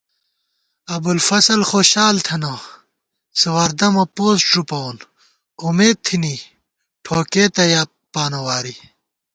ابُوالفضل خوشال تھنہ سواردَمہ پوسٹ ݫُپَوون امېد تھنی ٹھوکېتہ یَہ پانہ واری